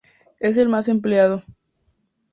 Es el más empleado.